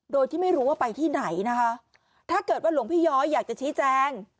โดยที่ไม่รู้ว่าไปที่ไหนนะคะถ้าเกิดว่าหลวงพี่ย้อยอยากจะชี้แจง